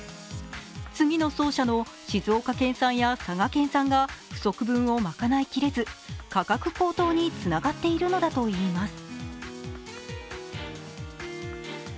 次の走者の静岡県産や滋賀県産が不足分を賄いきれず価格高騰につながっているのだといいます。